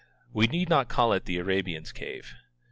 We need not call it the Arabian's cave.